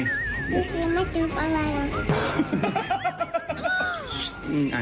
พี่ชีลูปไม่จุ๊บอะไร